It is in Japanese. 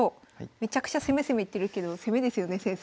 めちゃくちゃ「攻め攻め」言ってるけど攻めですよね先生。